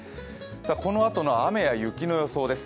このあとの雨や雪の予想です。